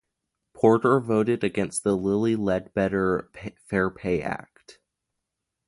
Porter voted against the Lilly Ledbetter Fair Pay Act.